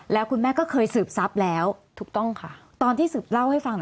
แล้วคุณแม่ก็เคยสืบทรัพย์แล้วตอนที่สืบเล่าให้ฟัง